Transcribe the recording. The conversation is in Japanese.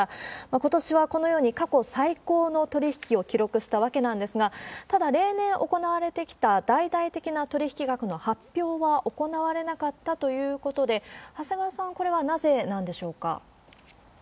ことしはこのように過去最高の取り引きを記録したわけなんですが、ただ、例年行われてきた大々的な取り引き額の発表は行われなかったということで、長谷川さん、これ、なぜなんでしょうか？